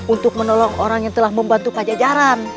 untuk menolong orang yang telah membantu pajajaran